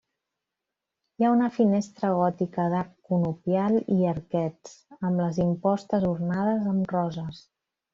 Hi ha una finestra gòtica d'arc conopial i arquets, amb les impostes ornades amb roses.